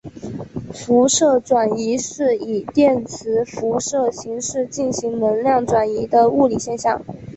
辐射转移是以电磁辐射形式进行能量转移的物理现象。